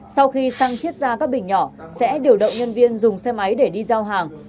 sau khi xăng chiết ra các bình nhỏ sẽ điều động nhân viên dùng xe máy để đi giao hàng